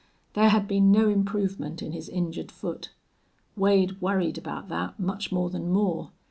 There had been no improvement in his injured foot. Wade worried about that much more than Moore.